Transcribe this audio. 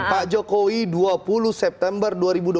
pak jokowi dua puluh september dua ribu dua puluh